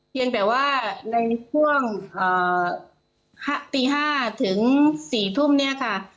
เพียงแต่ว่าในช่วงตี๕ถึง๔ทุ่มเนี่ยค่ะ